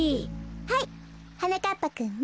はいはなかっぱくんも。